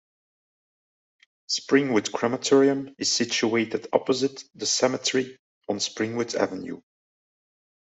Springwood Crematorium is situated opposite the cemetery on Springwood Avenue.